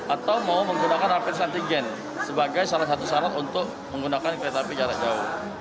atau mau menggunakan rapid antigen sebagai salah satu syarat untuk menggunakan kereta api jarak jauh